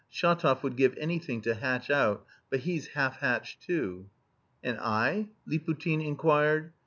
Shatov would give anything to hatch out, but he's half hatched too." "And I?" Liputin inquired.